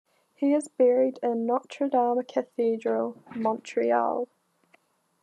He is buried in Notre Dame Cathedral, Montreal.